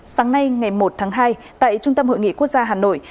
sáng nay ngày một tháng hai tại trung tâm hội nghị quốc gia hà nội